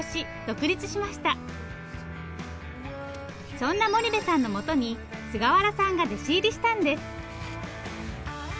そんな森部さんのもとに菅原さんが弟子入りしたんです。